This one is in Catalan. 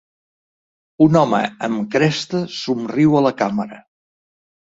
Un home amb cresta somriu a la càmera.